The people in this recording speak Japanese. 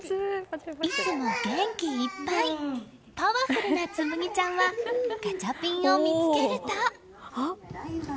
いつも元気いっぱいパワフルな月紬ちゃんはガチャピンを見つけると。